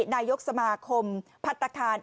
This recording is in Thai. นายกสมาคมพัฒนธรรมค์